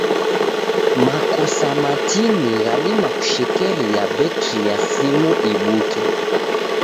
Makosa matini ghadima kushekeria betri ya simu ibuke.